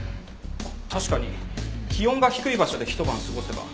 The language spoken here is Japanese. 確かに気温が低い場所で一晩過ごせば。